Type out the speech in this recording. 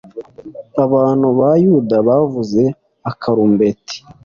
abantu ba yuda bavuza akarumbeti